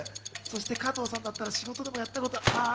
加藤さんだったら仕事でもやったことある。